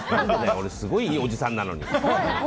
俺すごいいいおじさんなのに。